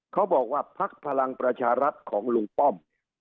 เขาบอกว่าพลักษณ์พลังประชารัฐของลุงป้อม